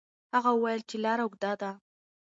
هغه وویل چې لار اوږده ده.